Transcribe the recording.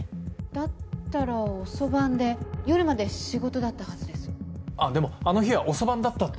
だったら遅番で夜まで仕事だったはずでもあの日は遅番だったって。